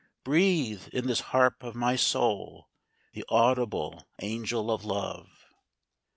Breathe in this harp of my soul the audible angel of love!